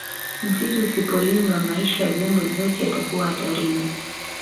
Msitu usipolindwa maisha ya viumbe vyote yatakuwa hatarini